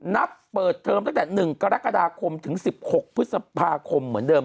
นับเปิดเทอมตั้งแต่๑กรกฎาคมถึง๑๖พฤษภาคมเหมือนเดิม